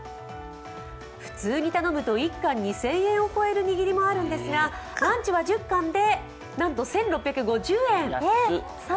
普通に頼むと１貫２０００円を超える握りもあるんですがランチは１０貫でなんと１６５０円。